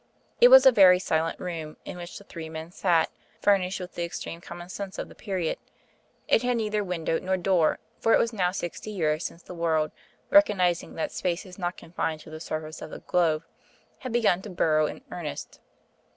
It was a very silent room in which the three men sat, furnished with the extreme common sense of the period. It had neither window nor door; for it was now sixty years since the world, recognising that space is not confined to the surface of the globe, had begun to burrow in earnest.